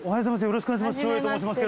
よろしくお願いします。